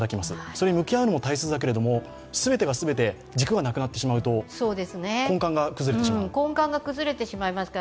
それに向き合うのも大切だけれども、全てが全て軸がなくなってしまうと根幹が崩れてしまう。